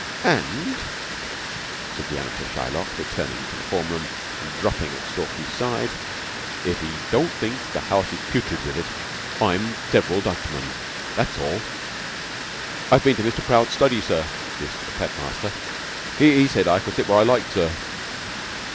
"And," said the amateur Shylock, returning to the form room and dropping at Stalky's side, "if he don't think the house is putrid with it, I'm several Dutch men that's all... I've been to Mr. Prout's study, sir." This to the prep. master. "He said I could sit where I liked, sir...